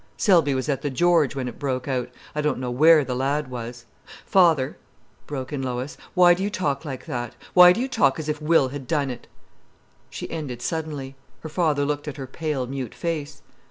Selby was at the 'George' when it broke out—I don't know where the lad was——!" "Father," broke in Lois, "why do you talk like that? Why do you talk as if Will had done it?" She ended suddenly. Her father looked at her pale, mute face.